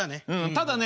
ただね